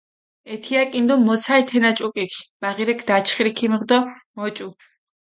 ეთიაკინ დო მოცალჷ თენა ჭუკიქ, ბაღირექ დაჩხირი ქჷმიღუ დო მოჭუ.